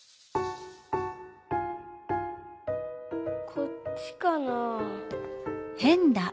こっちかなあ？